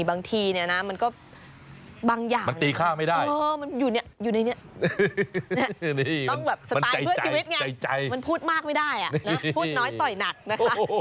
บางทีเนี่ยนะมันก็บางอย่างมันตีค่าไม่ได้มันอยู่ในนี้ต้องแบบสไตล์เพื่อชีวิตไงมันพูดมากไม่ได้พูดน้อยต่อยหนักนะคะ